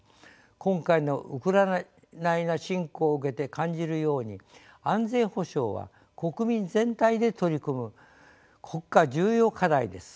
今回のウクライナ侵攻を受けて感じるように安全保障は国民全体で取り組む国家重要課題です。